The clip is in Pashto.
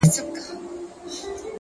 هغه چي هيڅوک نه لري په دې وطن کي!!